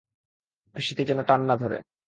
পেশীতে যেন টান না ধরে।